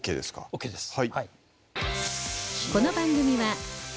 ＯＫです